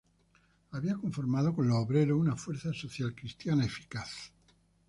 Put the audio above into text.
Había conformado con los obreros, una fuerza social-cristiana eficaz.